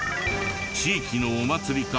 地域のお祭りか